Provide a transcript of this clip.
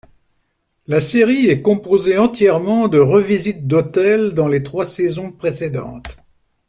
La série est composée entièrement de revisite d'hôtels dans les trois saisons précédentes.